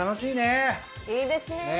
いいですね。ね。